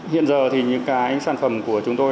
hiện giờ những sản phẩm của chúng tôi